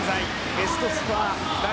ベストスコアラー